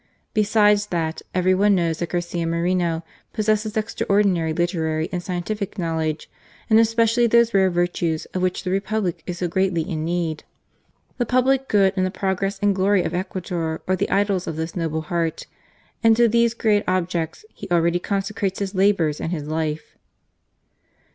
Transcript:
Besides that, every one knows that Garcia Moreno possesses extraordinary literary and scientific knowledge ; and especially those rare virtues of which the Republic is so greatly in need. The public good, and the progress and glory of Ecuador are the idols of this noble heart, and to these great objects he already consecrates his labours and his life."